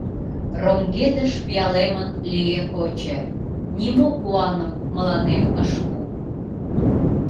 Роҥгедыш пиалемын лие кочо, Нимо куаным мыланем ыш пу.